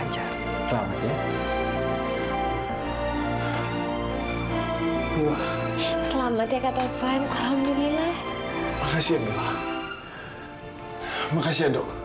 terima kasih dok